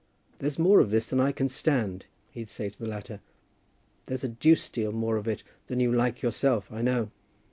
"There's more of this than I can stand," he'd say to the latter. "There's a deuced deal more of it than you like yourself, I know."